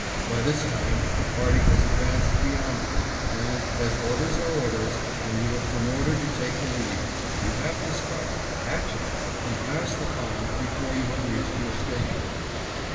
By this time the party has advanced beyond you and, as orders are orders, and you have been ordered to take the lead, you have to start, catch up, and pass the column before you have reached your station.